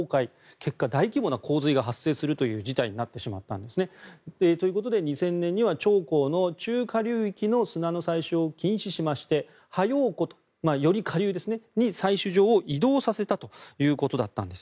結果、大規模な洪水が発生する事態になってしまったんですね。ということで２０００年には長江の中下流域の砂の採取を禁止しましてハヨウ湖、より下流に採取場を移動させたということだったんです。